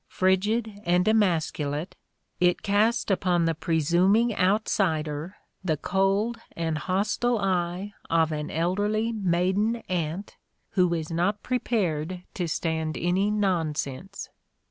Frigid and emascu late, it cast upon the presuming outsider the cold and hostile eye of an elderly maiden aunt who is not prepared to stand any nonsense.